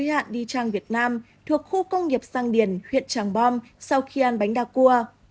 y hạn đi tràng việt nam thuộc khu công nghiệp sang điển huyện tràng bom sau khi ăn bánh đa cua